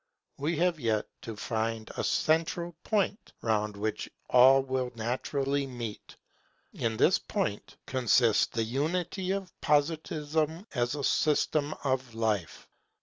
We have yet to find a central point round which all will naturally meet. In this point consists the unity of Positivism as a system of life.